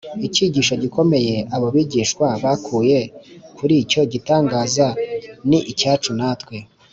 icyigisho gikomeye abo bigishwa bakuye kuri icyo gitangaza ni icyacu natwe